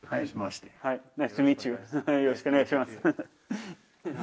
よろしくお願いします。